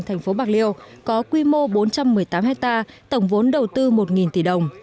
thành phố bạc liêu có quy mô bốn trăm một mươi tám hectare tổng vốn đầu tư một tỷ đồng